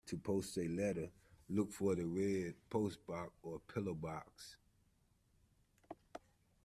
To post a letter, look for a red postbox or pillar box